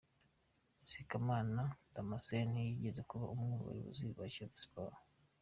Sekamana Damasenti yigeze kuba umwe mu bayobozi ba Kiyovu Siporo.